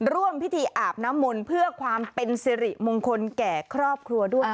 ร่วมพิธีอาบน้ำมนต์เพื่อความเป็นสิริมงคลแก่ครอบครัวด้วย